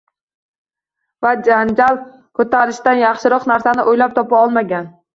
Va janjal ko‘tarishdan yaxshiroq narsani o‘ylab topa olmagan.